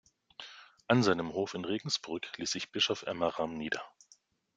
An seinem Hof in Regensburg ließ sich Bischof Emmeram nieder.